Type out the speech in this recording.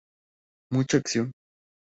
Mucha acción.